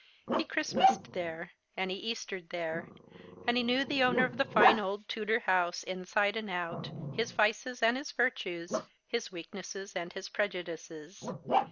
He Christmassed there, and he Eastered there, and he knew the owner of the fine old Tudor house inside and out, his vices and his virtues, his weaknesses, and his prejudices.